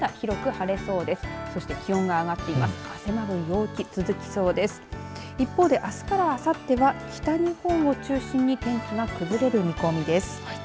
一方で、あすからあさっては北日本を中心に天気が崩れる見込みです。